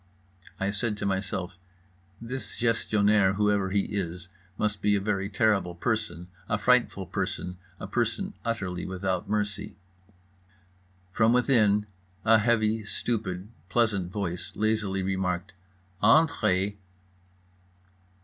I said to myself: This Gestionnaire, whoever he is, must be a very terrible person, a frightful person, a person utterly without mercy. From within a heavy, stupid, pleasant voice lazily remarked: "_Entrez.